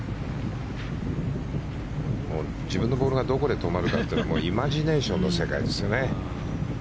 自分のボールがどこに止まるのかイマジネーションの世界ですよね。